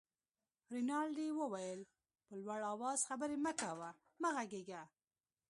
رینالډي وویل: په لوړ آواز خبرې مه کوه، مه غږېږه.